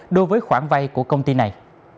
đối với khoảng vay của công ty này